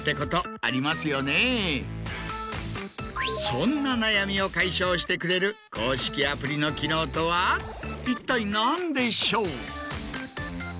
そんな悩みを解消してくれる公式アプリの機能とは一体何でしょう？